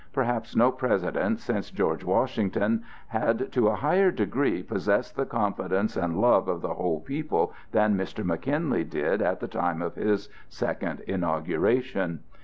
Perhaps no President since George Washington had to a higher degree possessed the confidence and love of the whole people than Mr. McKinley did at the time of his second inauguration.